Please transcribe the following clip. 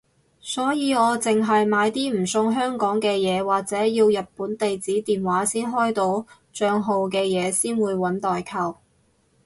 所以我淨係買啲唔送香港嘅嘢或者要日本地址電話先開到帳號嘅嘢先會搵代購